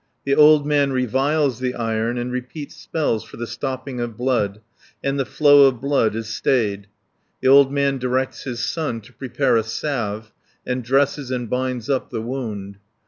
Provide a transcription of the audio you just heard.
The old man reviles the iron and repeats spells for the stopping of blood, and the flow of blood is stayed (267 416). The old man directs his son to prepare a salve, and dresses and binds up the wound.